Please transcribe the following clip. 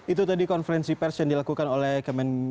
itu tadi konferensi pers yang dilakukan oleh kementrian kominfo